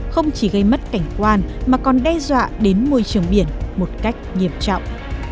không chỉ gây mất cảnh quan mà còn đe dọa đến môi trường biển một cách nghiêm trọng